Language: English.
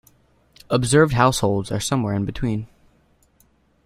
Observed households are somewhere in between.